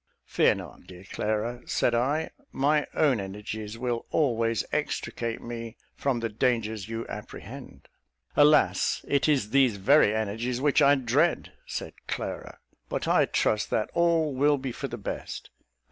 "Fear not, dear Clara," said I; "my own energies will always extricate me from the dangers you apprehend." "Alas! it is these very energies which I dread," said Clara; "but I trust that all will be for the best.